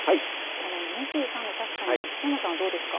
この２３度、確かに檜山さんはどうですか。